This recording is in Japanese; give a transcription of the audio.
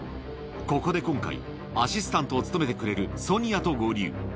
ここで今回、アシスタントを務めてくれるソニアと合流。